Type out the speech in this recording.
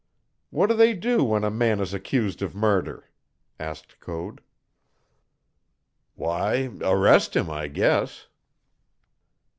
"What do they do when a man is accused of murder?" asked Code. "Why, arrest him, I guess."